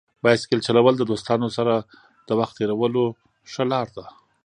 بایسکل چلول د دوستانو سره د وخت تېرولو ښه لار ده.